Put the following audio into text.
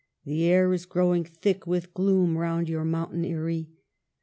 The air is growing thick with gloom round your mountain eyrie.